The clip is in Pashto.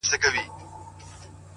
ګاونډي به دي زاغان سي -